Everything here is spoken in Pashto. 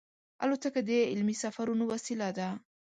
الوتکه د علمي سفرونو وسیله ده.